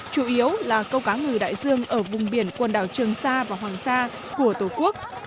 chủ yếu là câu cá ngừ đại dương ở vùng biển quần đảo trường sa và hoàng sa của tổ quốc